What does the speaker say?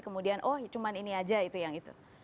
kemudian oh cuma ini aja itu yang itu